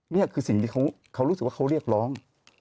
นี่คือสิ่งที่เขารู้สึกว่าเขาเรียกร้อง